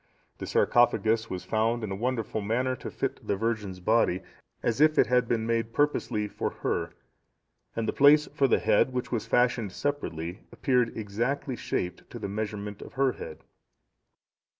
The sarcophagus was found in a wonderful manner to fit the virgin's body as if it had been made purposely for her, and the place for the head, which was fashioned separately, appeared exactly shaped to the measurement of her head.